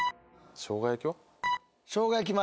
しょうが焼は？